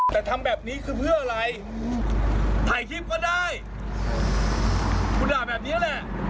แต่ทำแบบนี้คือเพื่ออะไรถ่ายคลิปก็ได้คุณด่าแบบนี้แหละ